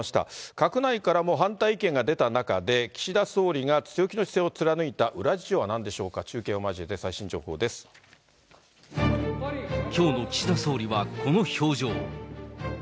閣内からも反対意見が出た中で、岸田総理が強気の姿勢を貫いた裏事情はなんでしょうか、きょうの岸田総理はこの表情。